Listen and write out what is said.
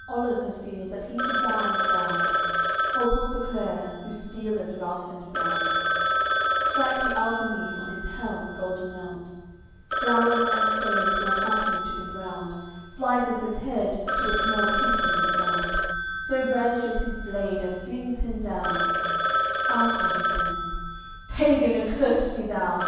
CXLVI Oliver feels that he to die is bound, Holds Halteclere, whose steel is rough and brown, Strikes the alcaliph on his helm's golden mount; Flowers and stones fall clattering to the ground, Slices his head, to th'small teeth in his mouth; So brandishes his blade and flings him down; After he says: "Pagan, accurst be thou!